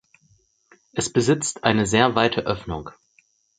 Es besitzt eine sehr weite Öffnung.